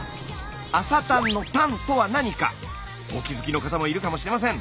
朝たんの「たん」とは何かお気付きの方もいるかもしれません。